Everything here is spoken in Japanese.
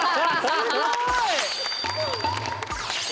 すごい！